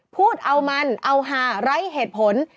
พูดเอามันเอาหาไร้เหตุผล